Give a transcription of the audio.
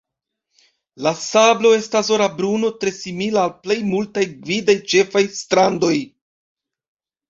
La sablo estas ora bruno, tre simila al la plej multaj gvidaj ĉefaj strandoj.